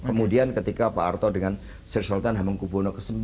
kemudian ketika pak artho dengan sir sultan hamengkubwono ix